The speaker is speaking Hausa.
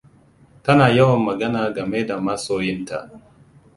Tana yawan magana game da masoyinta.